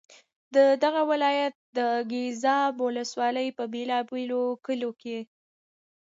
د دغه ولایت د ګیزاب ولسوالۍ په بېلا بېلو کلیو کې.